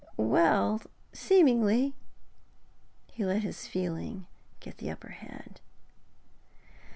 'Well, seemingly.' He let his feeling get the upper hand.